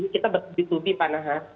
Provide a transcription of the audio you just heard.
kita bertubi tubi pak nahar